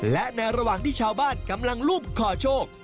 และในระหว่างที่ชาวบ้านกำลังรูปขอโชค